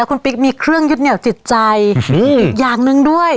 คุณปิ๊กมีเครื่องยึดเหนียวจิตใจอีกอย่างหนึ่งด้วย